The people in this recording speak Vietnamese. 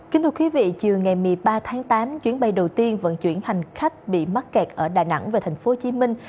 kính thưa quý vị chiều ngày một mươi ba tháng tám chuyến bay đầu tiên vận chuyển hành khách bị mắc kẹt ở đà nẵng và thành phố hồ chí minh